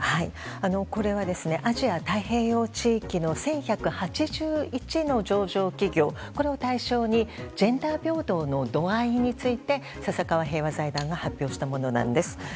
これはアジア太平洋地域の１１８１の上場企業を対象にジェンダー平等の度合いについて笹川平和財団が発表したものです。